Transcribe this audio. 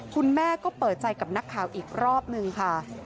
คุณแม่ก็เปิดใจกับนักข่าวอีกรอบนึงค่ะ